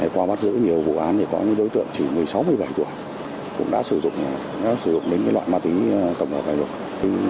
qua bắt giữ nhiều vụ án thì có những đối tượng chỉ một mươi sáu một mươi bảy tuổi cũng đã sử dụng đến loại ma túy tổng hợp này rồi